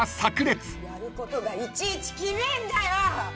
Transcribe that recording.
「やることがいちいちキメえんだよ！」